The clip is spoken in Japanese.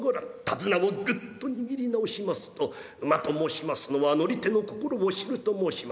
手綱をぐっと握り直しますと馬と申しますのは乗り手の心を知ると申します。